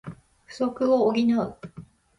不足を補う